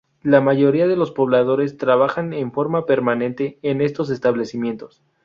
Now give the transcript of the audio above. La mayoría de los pobladores trabajan en forma permanente en estos establecimientos.